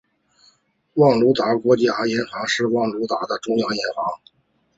卢旺达国家银行是卢旺达的中央银行。